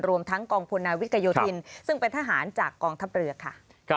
รวมทั้งกองพลนาวิกยโยธินซึ่งเป็นทหารจากกองทัพเรือค่ะ